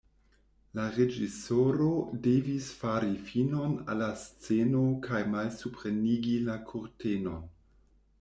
La reĝisoro devis fari finon al la sceno kaj malsuprenigi la kurtenon.